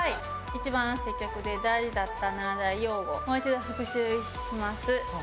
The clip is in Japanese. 一番接客で大事だった７大用語もう一度復習します。